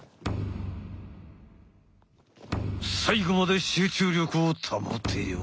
最後まで集中力を保てよ！